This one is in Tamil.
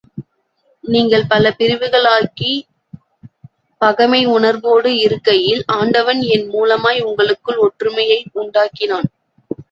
நீங்கள் பல பிரிவுகளாகி, பகைமை உணர்வோடு இருக்கையில், ஆண்டவன் என் மூலமாய் உங்களுககுள் ஒற்றுமையை உண்டாக்கினான்.